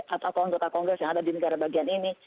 atau anggota kongres yang ada di negara bagian ini